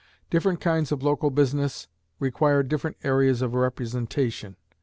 Different kinds of local business require different areas of representation.